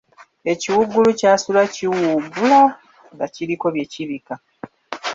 Ekiwuggulu kyasula kiwuugula nga kiriko bye kibika.